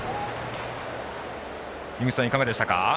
井口さん、いかがでしたか。